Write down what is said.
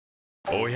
おや？